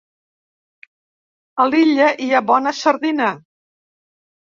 A l'illa hi ha bona sardina.